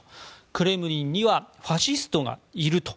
クレムリンにはファシストがいると。